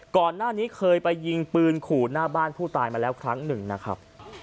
ก่อนหน้านี้เคยไปยิงปืนขู่หน้าบ้านผู้ตายมาแล้วครั้งหนึ่งนะครับ